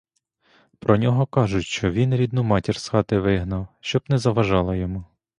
Про нього кажуть, що він рідну матір з хати вигнав, щоб не заважала йому.